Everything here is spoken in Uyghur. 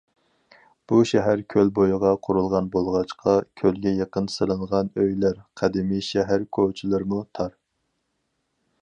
بۇ شەھەر كۆل بويىغا قۇرۇلغان بولغاچقا، كۆلگە يېقىن سېلىنغان ئۆيلەر قەدىمىي، شەھەر كوچىلىرىمۇ تار.